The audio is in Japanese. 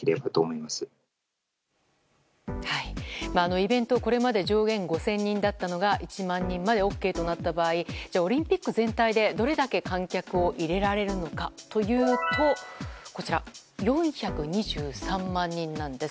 イベント、これまで上限５０００人だったのが１万人までＯＫとなった場合オリンピック全体でどれだけ観客を入れられるのかというとこちら、４２３万人なんです。